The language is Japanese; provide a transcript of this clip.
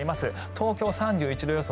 東京は３１度予想。